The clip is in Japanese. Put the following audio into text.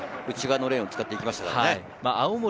内側のレーンを使って行きましたね。